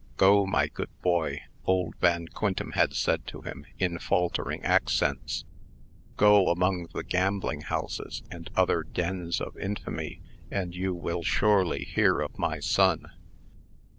"Go, my good boy," old Van Quintem had said to him, in faltering accents; "go among the gambling houses, and other dens of infamy, and you will surely hear of my son."